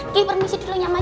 gigi permisi dulu ya mas